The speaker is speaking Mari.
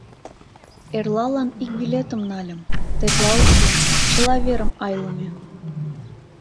Эрлалан ик билетым нальым, тетла уке, чыла верым айлыме...